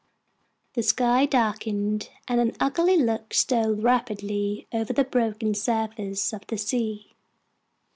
The sky darkened, and an ugly look stole rapidly over the broken surface of the sea.